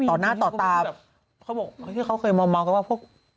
ต่อหน้าต่อตาเขาบอกที่เขาเคยมองก็ว่าพวก